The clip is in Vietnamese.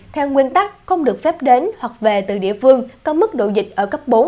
theo nguyên tắc không được phép đến hoặc về từ địa phương có mức độ dịch ở cấp bốn